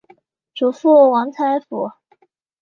祖父王才甫。